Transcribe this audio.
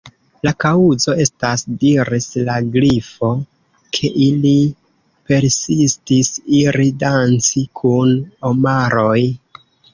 "La kaŭzo estas," diris la Grifo, "ke ili persistis iri danci kun omaroj »